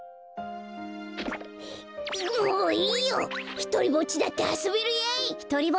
ひとりぼっちだってあそべるやい！